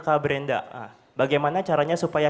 k branda bagaimana caranya supaya